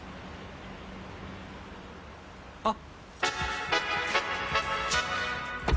あっ。